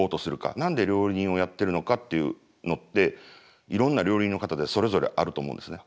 何で料理人をやってるのかっていうのっていろんな料理人の方でそれぞれあると思うんですね。